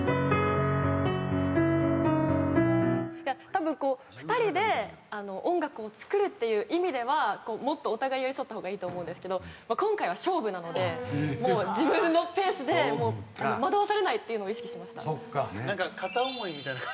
たぶん２人で音楽をつくるっていう意味ではもっとお互い寄り添った方がいいと思うんですけど今回は勝負なので自分のペースで惑わされないっていうのを意識しました。